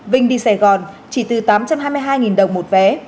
vinh đi sài gòn chỉ từ tám trăm hai mươi hai đồng một vé